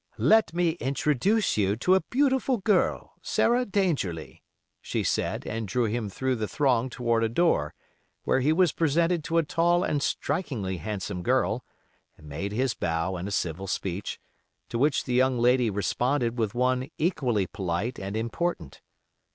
"Let me introduce you to a beautiful girl, Sarah Dangerlie," she said, and drew him through the throng toward a door, where he was presented to a tall and strikingly handsome girl and made his bow and a civil speech, to which the young lady responded with one equally polite and important.